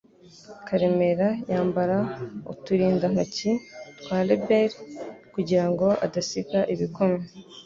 Karemera. yambara uturindantoki twa reberi kugirango adasiga igikumwe.